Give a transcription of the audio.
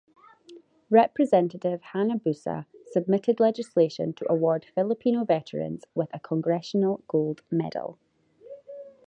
Representative Hanabusa submitted legislation to award Filipino Veterans with a Congressional Gold Medal.